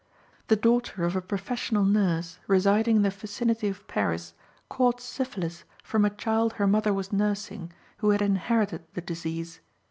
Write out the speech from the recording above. The daughter of a professional nurse, residing in the vicinity of Paris, caught syphilis from a child her mother was nursing, who had inherited the disease.